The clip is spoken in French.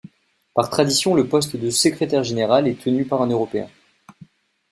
Par tradition, le poste de secrétaire général est tenu par un Européen.